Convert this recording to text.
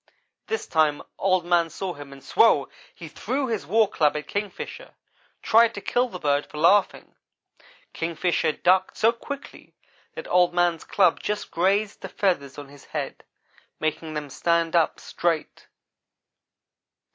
This time Old man saw him and SWOW! he threw his war club at Kingfisher; tried to kill the bird for laughing. Kingfisher ducked so quickly that Old man's club just grazed the feathers on his head, making them stand up straight.